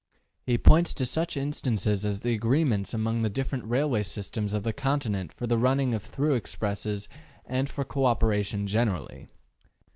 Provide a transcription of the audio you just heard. He points to such instances as the agreements among the different railway systems of the Continent for the running of through expresses and for co operation generally.